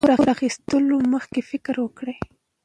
د پور اخیستلو مخکې فکر وکړئ.